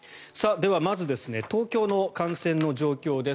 では、まず東京の感染の状況です。